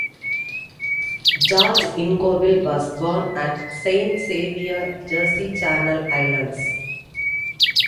George Ingouville was born at Saint Saviour, Jersey Channel Islands.